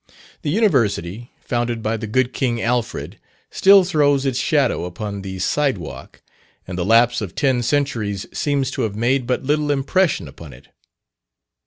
The University, founded by the good King Alfred, still throws its shadow upon the side walk; and the lapse of ten centuries seems to have made but little impression upon it.